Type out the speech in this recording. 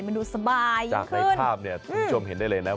มันดูสบายขึ้นคืนจากในภาพคุณผู้ชมเห็นได้เลยนะ